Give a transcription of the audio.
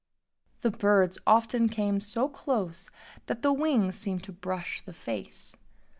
The birds often came so close that the wings seemed to brush the face.